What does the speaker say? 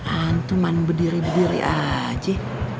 antu mau berdiri berdiri saja